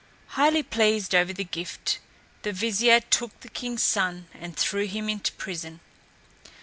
Highly pleased over the gift, the vizier took the king's son and threw him into prison.